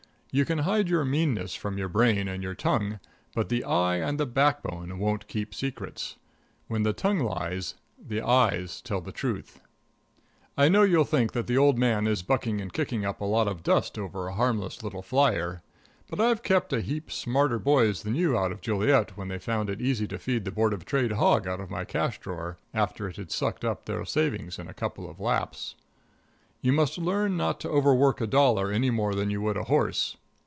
You can hide your meanness from your brain and your tongue, but the eye and the backbone won't keep secrets. When the tongue lies, the eyes tell the truth. I know you'll think that the old man is bucking and kicking up a lot of dust over a harmless little flyer. But I've kept a heap smarter boys than you out of Joliet when they found it easy to feed the Board of Trade hog out of my cash drawer, after it had sucked up their savings in a couple of laps. You must learn not to overwork a dollar any more than you would a horse.